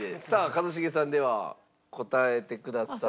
一茂さんでは答えてください。